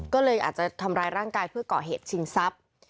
ก็เลยอาจจะทำร้ายร่างกายเพื่อก่อเหตุชิงทรัพย์